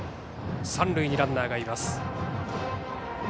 三塁にランナーがいます。